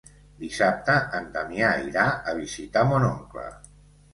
Dissabte en Damià irà a visitar mon oncle.